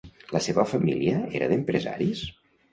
La seva família era d'empresaris?